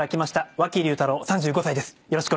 和気龍太郎３５歳です。